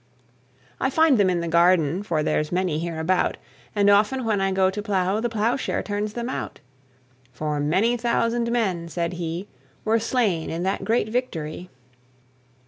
"I find them in the garden, For there's many hereabout; And often when I go to plow, The plowshare turns them out; For many thousand men," said he, "Were slain in that great victory!"